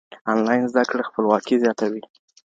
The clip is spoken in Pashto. انلاين زده کړه خپلواکي زياتوي.